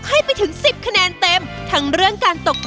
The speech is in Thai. ให้เต็มห้าเลยครับ